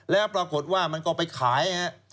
แล้วปรากฏว่ามันก็ไปขาย